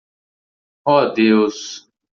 Oh Deus!